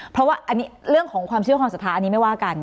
เพราะว่าอันนี้เรื่องของความเชื่อความศรัทธาอันนี้ไม่ว่ากัน